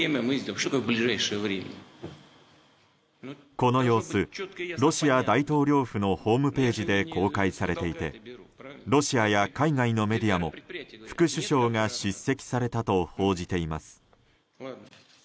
この様子、ロシア大統領府のホームページで公開されていてロシアや海外のメディアも副首相が叱責されたと報じています。